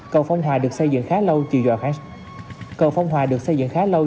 cầu phong hòa được xây dựng khá lâu